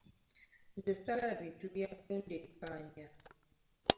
Nze saaagala bintu bya kundeekaanya.